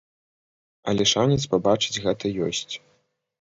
Але шанец пабачыць гэта ёсць.